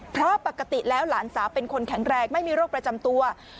เพราะปกติแล้วหลานสาวเป็นคนแข็งแรงไม่มีโรคประจำตัว